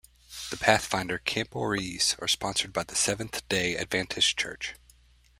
The Pathfinder camporees are sponsored by the Seventh-day Adventist Church.